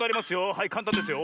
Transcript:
はいかんたんですよ。